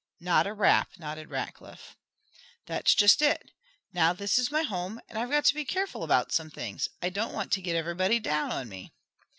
"Not a rap," nodded Rackliff. "That's just it. Now this is my home, and I've got to be careful about some things. I don't want to get everybody down on me."